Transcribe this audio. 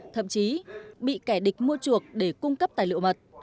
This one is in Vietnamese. thậm chí bị kẻ địch mua chuộc để cung cấp tài liệu mật